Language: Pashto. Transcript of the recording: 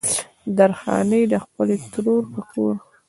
درخانۍ د خپلې ترور په کور